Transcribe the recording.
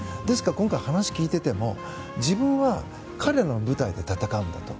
話を聞いていても自分は彼らの舞台で戦うんだと。